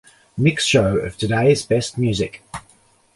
Mix show of Today's Best Music.